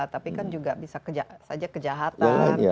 tapi kan juga bisa saja kejahatan